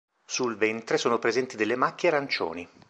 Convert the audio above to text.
Sul ventre sono presenti delle macchie arancioni.